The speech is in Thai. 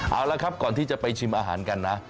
เอาละครับก่อนที่จะไปชิมอาหารกันนะ